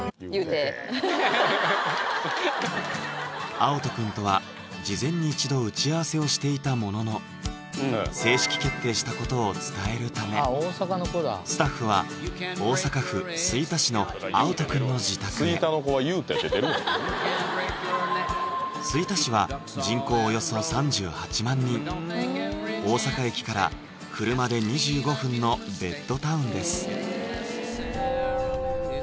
あおと君とは事前に一度打ち合わせをしていたものの正式決定したことを伝えるためスタッフは大阪府吹田市のあおと君の自宅へ吹田市は人口およそ３８万人大阪駅から車で２５分のベッドタウンです